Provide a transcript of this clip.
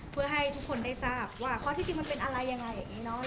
เพื่อให้ทุกคนได้ทราบว่าข้อที่จริงมันเป็นอะไรยังไงอย่างนี้เนอะ